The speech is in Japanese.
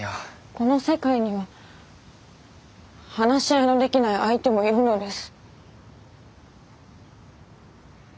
この世界には話し合いのできない相手もいるのです。